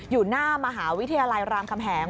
อยู่หน้ามหาวิทยาลัยรามคำแหง